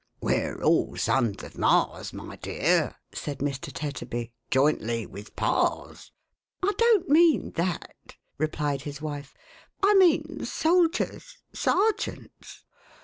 " We're all sons of Ma's, my dear,'1 said Mr. Tetterby, "jointly with Pa's." " I don't mean that," replied his wife, " I mean soldiers— Serjeants."